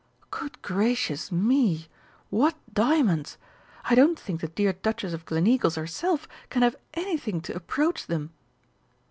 Good gracious me! What diamonds! I don't think the dear Duchess of Gleneagles herself can have anything to approach them!...